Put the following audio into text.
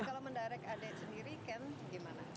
tapi kalau mendirect adek sendiri ken gimana